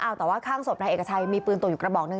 เอาแต่ว่าข้างศพนายเอกชัยมีปืนตกอยู่กระบอกหนึ่ง